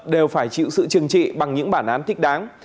đều phải chịu sự chừng trị bằng những bản án thích đáng